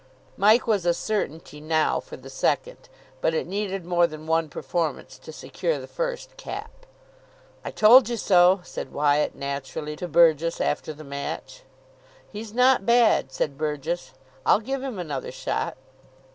Mike was a certainty now for the second. But it needed more than one performance to secure the first cap. "I told you so," said Wyatt, naturally, to Burgess after the match. "He's not bad," said Burgess. "I'll give him another shot."